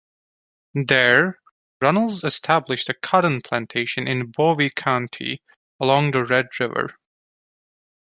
There Runnels established a cotton plantation in Bowie County along the Red River.